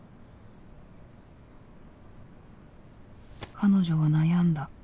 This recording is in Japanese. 彼女は悩んだ。